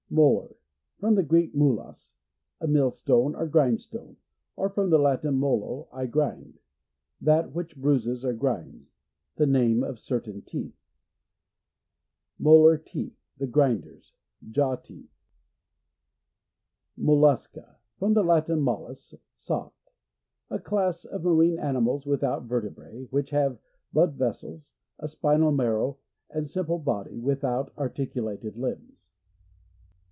Molar. — From the Greek, mulos, a millstone or grindstone; or from the Latin, molo, I grind. That which bruises or grinds. The name of certain teeth. Molar Teeth. — The grinders. Jaw teeth. Mollusca. — From the Latin, mollis, soft. A class of marine animals without vertebrae, which have blood vessels, a spinal marrow, and a sim ple body, without articulated limbs.